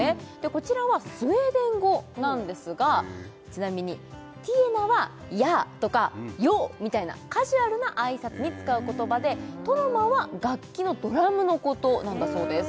こちらはスウェーデン語なんですがちなみにティエナは「やぁ」とか「よう」みたいなカジュアルなあいさつに使う言葉でトロマは楽器のドラムのことなんだそうです